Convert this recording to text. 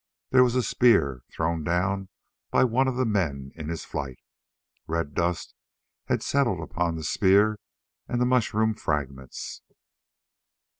There was a spear, thrown down by one of the men in his flight. Red dust had settled upon the spear and the mushroom fragments.